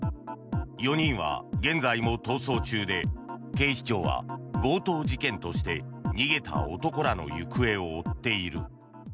４人は現在も逃走中で警視庁は強盗事件として逃げた男らの行方を追っている。